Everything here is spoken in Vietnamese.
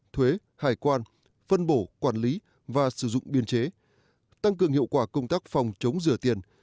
thuế hải quan phân bổ quản lý và sử dụng biên chế tăng cường hiệu quả công tác phòng chống rửa tiền